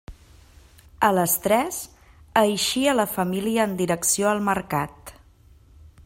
A les tres eixia la família en direcció al Mercat.